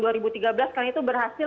karena itu berhasil